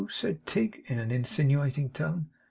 said Tigg in an insinuating tone.